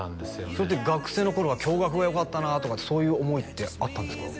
それって学生の頃は共学がよかったなとかそういう思いってあったんですか？